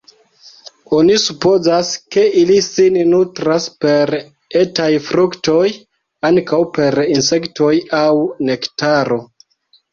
Oni supozas, ke ili sin nutras per etaj fruktoj, ankaŭ per insektoj aŭ nektaro.